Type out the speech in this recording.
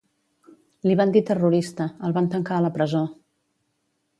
Li van dir terrorista, el van tancar a la presó.